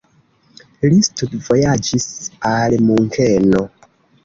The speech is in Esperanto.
Li studvojaĝis al Munkeno.